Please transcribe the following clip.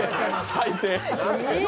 最低！